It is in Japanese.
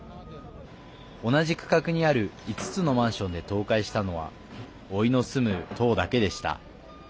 同じ区画にある５つのマンションで倒壊したのはおいの住む棟だけでした。